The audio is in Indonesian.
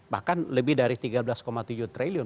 bahkan lebih dari tiga belas tujuh triliun